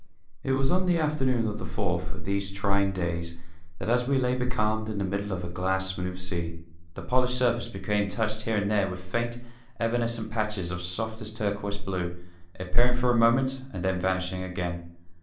It was on the afternoon of the fourth of these trying days that, as we lay becalmed in the middle of a glass smooth sea, the polished surface became touched here and there with faint, evanescent patches of softest turquoise blue, appearing for a moment and then vanishing again.